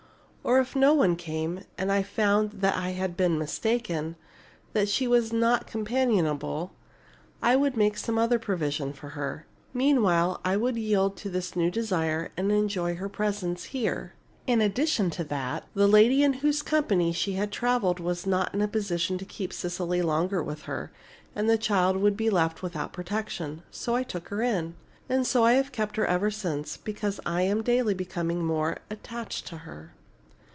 Or if no one came and I found I had been mistaken, that she was not companionable, I could make some other provision for her. Meantime, I would yield to this new desire and enjoy her presence here. In addition to that, the lady in whose company she had traveled was not in position to keep Cecily longer with her, and the child would be left without protection. So I took her in. And so I have kept her ever since, because I am daily becoming more attached to her."